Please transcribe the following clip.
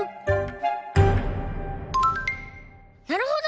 なるほど！